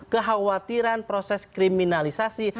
kekhawatiran proses kriminalisasi